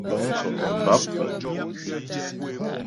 Báp puŋ.